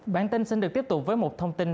bản tin xin được tiếp tục với một thông tin